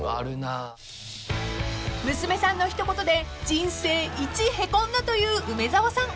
［娘さんの一言で人生一へこんだという梅沢さん］